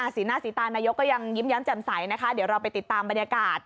สีหน้าสีตานายกก็ยังยิ้มแย้มแจ่มใสนะคะเดี๋ยวเราไปติดตามบรรยากาศ